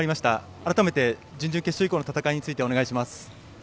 改めて準々決勝以降の戦いについてお願いします。